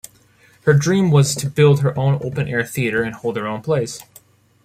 Her dream was to build her own open-air theatre and hold her own plays.